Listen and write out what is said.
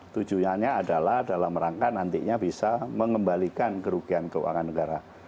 tujuannya adalah dalam rangka nantinya bisa mengembalikan kerugian keuangan negara